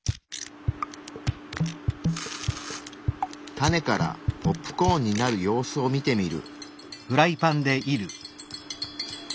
種からポップコーンになる様子を見てみる。